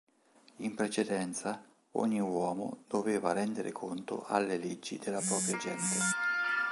In precedenza, ogni uomo doveva rendere conto alle leggi della propria gente.